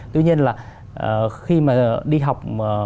tuy nhiên là khi mà đi học